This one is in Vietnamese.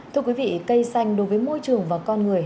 thưa quý vị cây xanh đối với môi trường và con người